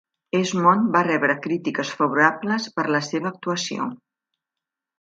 Esmond va rebre crítiques favorables per la seva actuació.